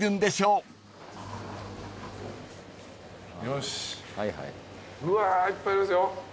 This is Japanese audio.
うわいっぱいありますよ。